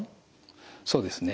そうですね。